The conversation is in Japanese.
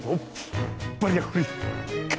バリアフリー。か！